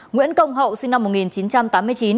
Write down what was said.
nguyễn công hậu sinh năm một nghìn chín trăm tám mươi chín